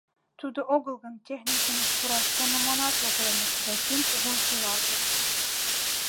Тудо огыл гын, техникумыш пураш шоныманат огыл ыле, — Зосим кугун шӱлалтыш.